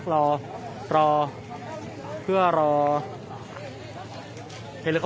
มันก็ไม่ต่างจากที่นี่นะครับ